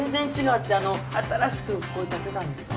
新しくこれ建てたんですか？